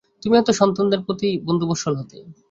তুমি হয়তো সন্তানদের প্রতি বন্ধুবৎসল হতে।